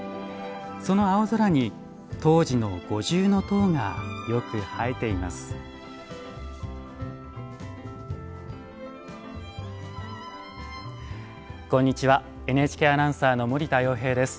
その青空に東寺の五重の塔がよく映えています。